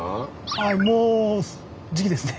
はいもうじきですね。